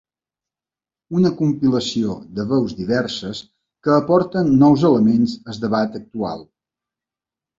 Una compilació de veus diverses que aporten nous elements al debat actual.